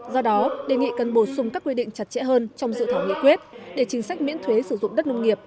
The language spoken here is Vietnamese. do đó đề nghị cần bổ sung các quy định chặt chẽ hơn trong dự thảo nghị quyết để chính sách miễn thuế sử dụng đất nông nghiệp